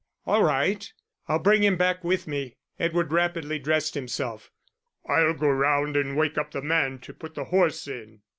"All right, I'll bring him back with me." Edward rapidly dressed himself. "I'll go round and wake up the man to put the horse in."